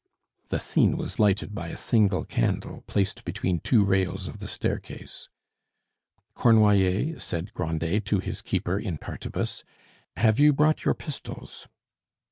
The scene was lighted by a single candle placed between two rails of the staircase. "Cornoiller," said Grandet to his keeper in partibus, "have you brought your pistols?"